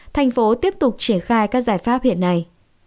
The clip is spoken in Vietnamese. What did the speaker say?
thành phố tiếp tục triển khai các giải pháp hiện nay